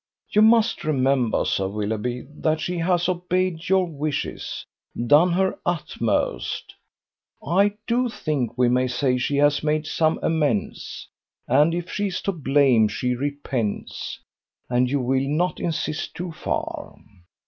You must remember, Sir Willoughby, that she has obeyed your wishes, done her utmost: I do think we may say she has made some amends; and if she is to blame she repents, and you will not insist too far."